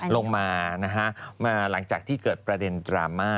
ลงมานะฮะมาหลังจากที่เกิดประเด็นดราม่า